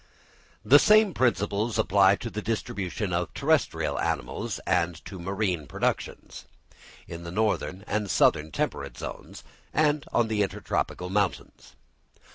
The same principles apply to the distribution of terrestrial animals and of marine productions, in the northern and southern temperate zones, and on the intertropical mountains.